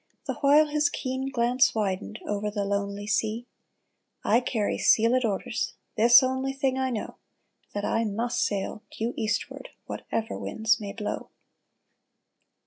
The while his keen glance widened Over the lonely sea :" I carry sealed orders. This only thing I know. That I must sail due eastward Whatever winds may blow